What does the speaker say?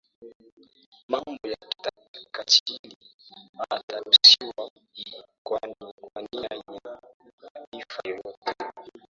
mambo ya kikatili hatarusiwa kuania nyadhifa yoyote